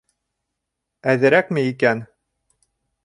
Әҙерәкме икән?